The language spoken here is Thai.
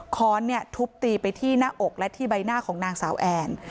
ค้อนทุบตีไปที่หน้าอกและที่ใบหน้าของนางสาวแอน